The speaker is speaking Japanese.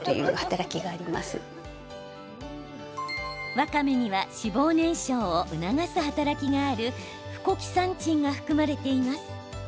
わかめには脂肪燃焼を促す働きがあるフコキサンチンが含まれています。